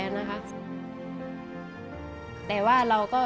แต่ว่าเราก็จะทำในช่วงเวลาที่เขาอยู่กับเราให้มีความสุขที่สุด